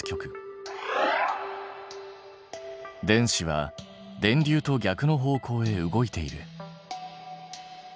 電子は電流と逆の方向へ動いている。